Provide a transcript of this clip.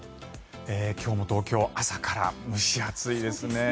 今日も東京朝から蒸し暑いですね。